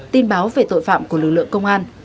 tin báo về tội phạm của lực lượng công an